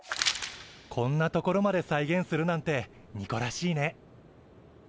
こんな所まで再現するなんてニコらしいね。